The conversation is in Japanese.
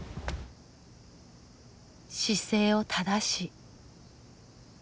姿勢を正し。